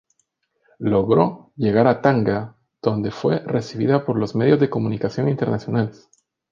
Logró llegar a Tánger donde fue recibida por los medios de comunicación internacionales.